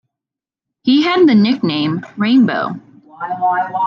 He had the nickname "Rainbow".